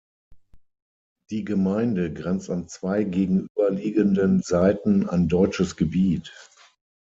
Die Gemeinde grenzt an zwei gegenüberliegenden Seiten an deutsches Gebiet.